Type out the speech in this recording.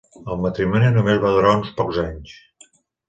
El matrimoni només va durar uns pocs anys.